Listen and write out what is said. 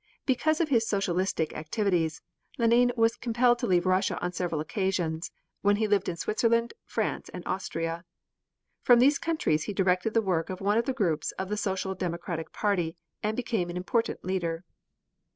Because of his socialistic activities, Lenine was compelled to leave Russia on several occasions, when he lived in Switzerland, France and Austria. From these countries he directed the work of one of the groups of the Social Democratic party, and became an important leader.